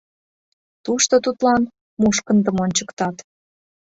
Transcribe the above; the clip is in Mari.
Тушто тудлан мушкындым ончыктат.